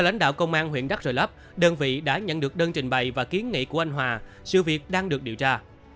lãnh đạo công an huyện đắk rờ lấp đơn vị đã nhận được đơn trình bày và kiến nghị của anh hòa sự việc đang được điều tra